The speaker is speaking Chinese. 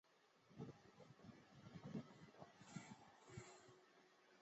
直播时段较竞争对手无线娱乐新闻台为多。